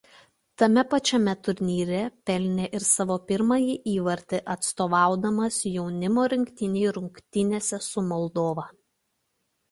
Tame pačiame turnyre pelnė ir savo pirmąjį įvartį atstovaudamas jaunimo rinktinei rungtynėse su Moldova.